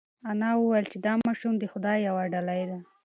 انا وویل چې دا ماشوم د خدای یوه ډالۍ ده.